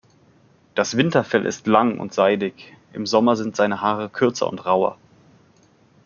Das Winterfell ist lang und seidig, im Sommer sind seine Haare kürzer und rauer.